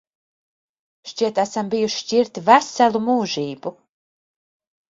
Šķiet, esam bijuši šķirti veselu mūžību.